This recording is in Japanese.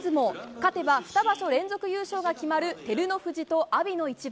勝てば２場所連続優勝が決まる照ノ富士と阿炎の一番。